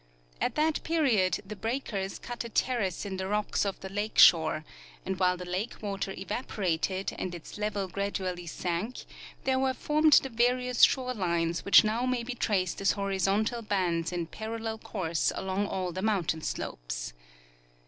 At that period the breakers cut a terrace in the rocks of the lake shore, and while the lake water evaporated and its level gradu ally sank, there were formed the various shorelines which now may be traced as horizontal bands in parallel course along all the mountain slopes.